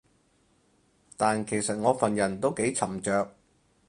但其實我份人都幾沉着